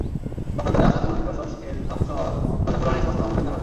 পক্ষান্তরে, আসহাবুর রসস-এর ধ্বংস হওয়ার কথা কুরআনে স্পষ্টভাবে উল্লেখ করা হয়েছে।